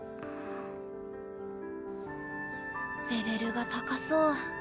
レベルが高そうか。